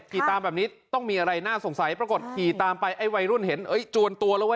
ขี่ตามแบบนี้ต้องมีอะไรน่าสงสัยปรากฏขี่ตามไปไอ้วัยรุ่นเห็นเอ้ยจวนตัวแล้ววะ